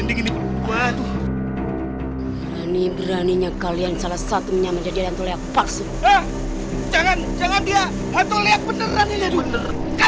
ini beraninya kalian salah satunya menjadi antolah pas jangan jangan dia